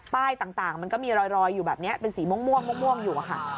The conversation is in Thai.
ต่างมันก็มีรอยอยู่แบบนี้เป็นสีม่วงอยู่ค่ะ